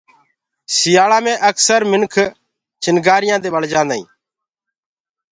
سيآݪآ مي اڪسر چِڻگي دي منک بݪجآندآ هين۔